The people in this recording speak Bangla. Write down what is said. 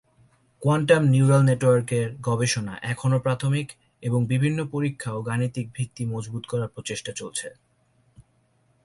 কোয়ান্টাম নিউরাল নেটওয়ার্কের গবেষণা এখনও প্রাথমিক এবং বিভিন্ন পরিক্ষা ও গাণিতিক ভিত্তি মজবুত করার প্রচেষ্টা চলছে।